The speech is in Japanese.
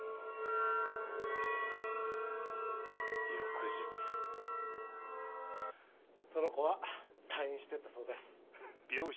翌日その子は退院してったそうです。